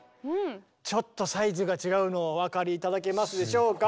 ちょっとサイズが違うのをお分かり頂けますでしょうか。